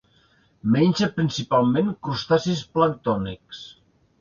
Menja principalment crustacis planctònics.